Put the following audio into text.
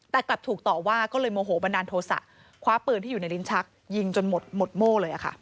แต่กลับถูกต่อว่าก็เลยโมโหบันดาลโทษะคว้าปืนที่อยู่ในลิ้นชักยิงจนหมดโม่เลย